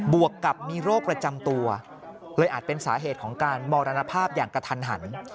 วกกับมีโรคประจำตัวเลยอาจเป็นสาเหตุของการมรณภาพอย่างกระทันหัน